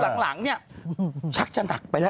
แล้วหลังนี่ชักจะหนักไปแล้ว